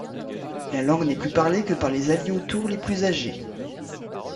La langue n'est plus parlée que par les Alioutors les plus âgés.